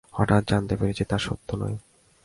হঠাৎ জানতে পেরেছি তা সত্য নয়।